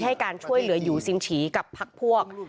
ให้การช่วยเหลืออยู่ซินฉีกับพักพวก